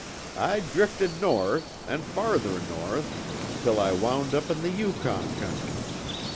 I drifted north, and farther north, till I wound up in the Yukon country.